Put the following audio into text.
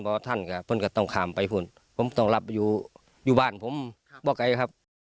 เพราะว่าท่านก็ต้องข้ามไปผมต้องรับอยู่บ้านผมบ่กัยครับ